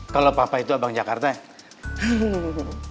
kalau papa itu abang jakarta ya